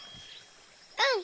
うん！